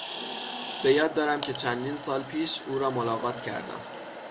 بیاد دارم که چندین سال پیش او را ملاقات کردم.